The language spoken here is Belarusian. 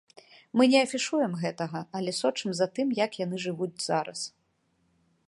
Мы не афішуем гэтага, але сочым за тым, як яны жывуць зараз.